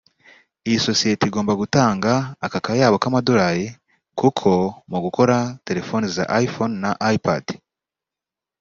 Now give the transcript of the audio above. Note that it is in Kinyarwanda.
Iyi sosiyete igomba gutanga aka kayabo k’amadorali kuko mu gukora telefone za iPhone na iPad